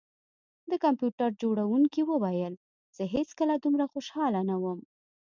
د کمپیوټر جوړونکي وویل چې زه هیڅکله دومره خوشحاله نه وم